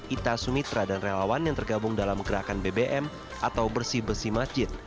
ita sumitra dan relawan yang tergabung dalam gerakan bbm atau bersih bersih masjid